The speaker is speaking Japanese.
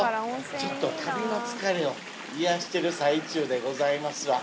ちょっと旅の疲れを癒やしてる最中でございますわ。